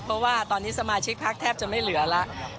เพราะว่าตอนนี้สมาชิกพักแทบจะไม่เหลือแล้ว